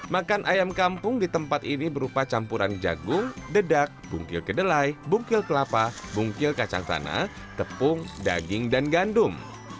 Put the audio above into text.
makan ayam kampung di tempat ini berupa campuran jagung dedak bungkil kedelai bungkil kelapa bungkil kacang tanah tepung daging dan gandum